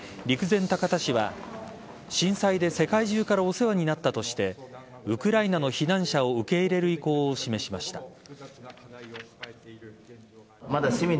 陸前高田市は震災で世界中からお世話になったとしてウクライナの避難者を受け入れる意向を示しました。